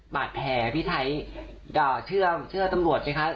บาดแผลพี่ไทยเชื่อตำรวจนะครับ